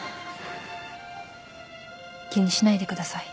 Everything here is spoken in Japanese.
気にしないでください。